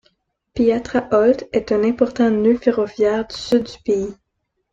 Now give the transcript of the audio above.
Piatra-Olt est un important nœud ferroviaire du sud du pays.